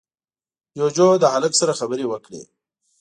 جُوجُو له هلک سره خبرې وکړې.